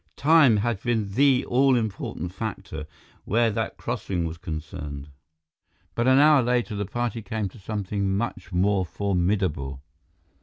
Time had been the all important factor, where that crossing was concerned. But an hour later, the party came to something much more formidable.